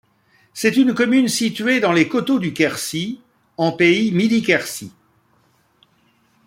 C'est une commune située dans les coteaux du Quercy, en pays Midi-Quercy.